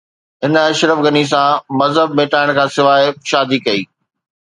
هن اشرف غني سان مذهب مٽائڻ کانسواءِ شادي ڪئي